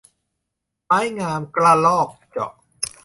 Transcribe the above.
ไม้งามกระรอกเจาะ